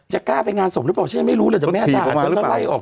จะกล้าไปงานสมหรือเปล่าฉันยังไม่รู้เลยแต่แม่สหรัฐต้องได้ออก